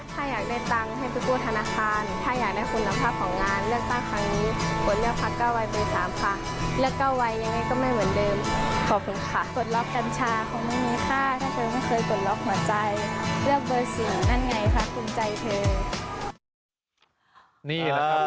ถ้าอยากได้คุณภาพของงานเลือกตั้งครั้งนี้